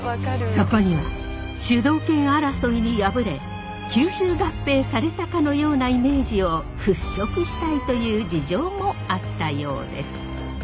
そこには主導権争いに敗れ吸収合併されたかのようなイメージを払拭したいという事情もあったようです。